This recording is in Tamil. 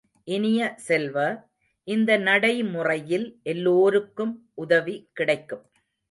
இனிய செல்வ, இந்த நடைமுறையில் எல்லோருக்கும் உதவி கிடைக்கும்.